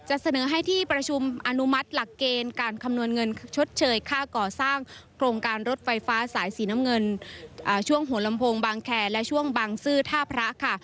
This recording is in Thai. เสนอให้ที่ประชุมอนุมัติหลักเกณฑ์การคำนวณเงินชดเชยค่าก่อสร้างโครงการรถไฟฟ้าสายสีน้ำเงินช่วงหัวลำโพงบางแคร์และช่วงบางซื่อท่าพระค่ะ